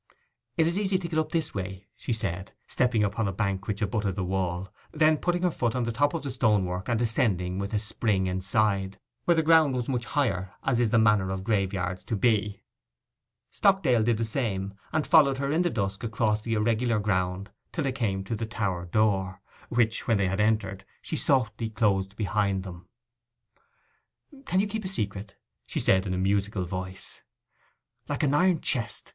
'It is easy to get up this way,' she said, stepping upon a bank which abutted on the wall; then putting her foot on the top of the stonework, and descending a spring inside, where the ground was much higher, as is the manner of graveyards to be. Stockdale did the same, and followed her in the dusk across the irregular ground till they came to the tower door, which, when they had entered, she softly closed behind them. 'You can keep a secret?' she said, in a musical voice. 'Like an iron chest!